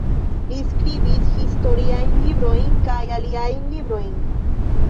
Li skribis historiajn librojn kaj aliajn librojn.